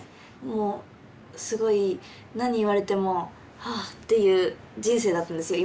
もうすごい何言われてもはあっていう人生だったんですよ